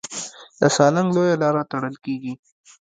د سالنګ لویه لاره تړل کېږي.